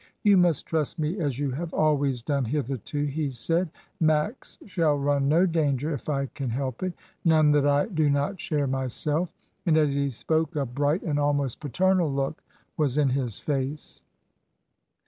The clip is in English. "You must trust me as you have always done hitherto," he said. "Max shall run no danger if I can help it — none that I do not share myself," and as he spoke a bright and almost paternal look was in his face.